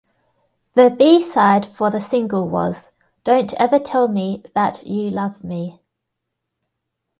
The B-side for the single was "Don't Ever Tell Me That You Love Me".